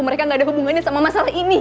mereka gak ada hubungannya sama masalah ini